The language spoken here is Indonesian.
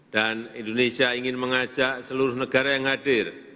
dan indonesia ingin mengajak seluruh negara yang hadir